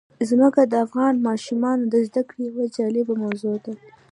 ځمکه د افغان ماشومانو د زده کړې یوه جالبه موضوع ده.